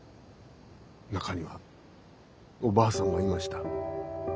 中にはおばあさんがいました。